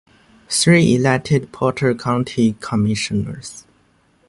Three elected Potter County Commissioners.